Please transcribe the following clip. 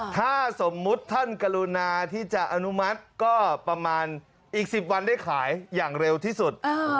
ถ้าสมมุติท่านกรุณาที่จะอนุมัติก็ประมาณอีก๑๐วันได้ขายอย่างเร็วที่สุด